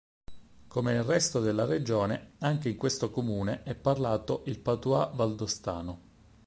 Come nel resto della regione, anche in questo comune è parlato il "patois" valdostano.